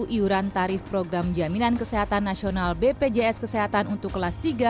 iuran tarif program jaminan kesehatan nasional bpjs kesehatan untuk kelas tiga